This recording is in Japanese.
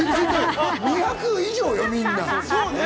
２００以上よ、みんな。